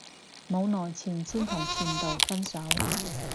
冇耐前先同前度分手